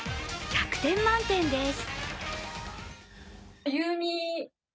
１００点満点です。